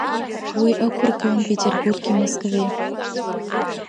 Уи ықәыргылан Петербурги Москвеи.